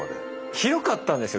広かったんですよ